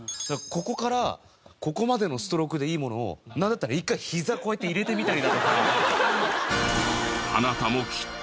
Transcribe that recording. ここからここまでのストロークでいいものをなんだったら一回ひざこうやって入れてみたリだとか。